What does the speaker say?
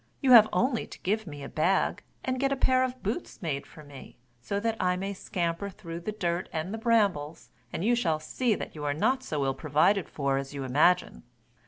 You have only to give me a bag, and get a pair of boots made for me, so that I may scamper through the dirt and the brambles, and you shall see that you are not so ill provided for as you imagine."